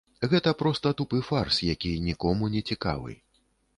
Гэта проста тупы фарс, які нікому не цікавы.